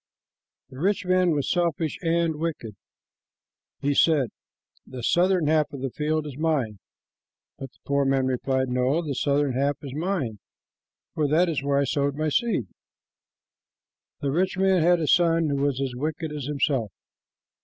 The rich man was selfish and wicked. He said, "The southern half of the field is mine," but the poor man replied, "No, the southern half is mine, for that is where I sowed my seed." The rich man had a son who was as wicked as himself.